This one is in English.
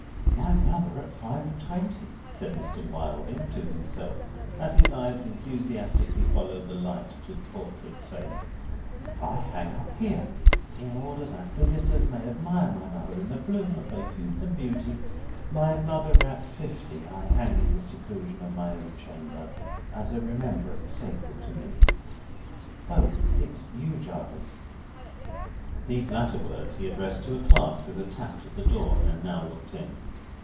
"My mother at five and twenty," said Mr. Wilding to himself, as his eyes enthusiastically followed the light to the portrait's face, "I hang up here, in order that visitors may admire my mother in the bloom of her youth and beauty. My mother at fifty I hang in the seclusion of my own chamber, as a remembrance sacred to me. O! It's you, Jarvis!" These latter words he addressed to a clerk who had tapped at the door, and now looked in.